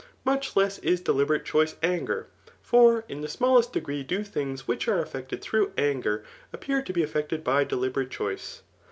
Much less k deliberate choice anger ; for in the smallest degree d0 things which are eflfected through anger appear to be effected by deliberate choice.